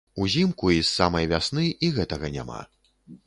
Узімку і з самай вясны і гэтага няма.